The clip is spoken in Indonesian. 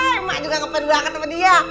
emak juga ngepen banget sama dia